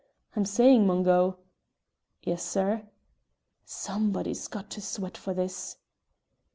I'm saying, Mungo!" "Yes, sir?" "Somebody's got to sweat for this!"